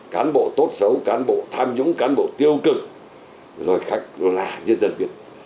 cán bộ tốt xấu cán bộ tham dũng cán bộ tiêu cực rồi khách là nhân dân biết